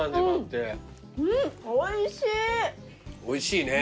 おいしい！